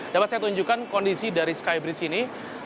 dapat saya tunjukkan kondisi dari skybridge ini